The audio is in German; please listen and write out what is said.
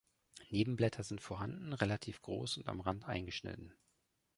Nebenblätter sind vorhanden, relativ groß und am Rand eingeschnitten.